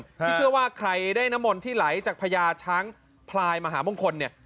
ที่เชื่อว่าใครได้น้ำมนต์ที่ไหลจากพญาช้างพลายมหามงคลเนี่ย